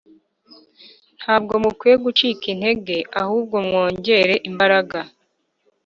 ntabwo mukwiye gucika intege ahubwo mwongere imbaraga